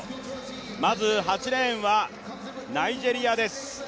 まず８レーンはナイジェリアです。